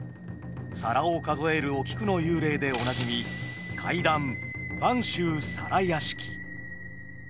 皿を数えるお菊の幽霊でおなじみ怪談「播州皿屋敷」。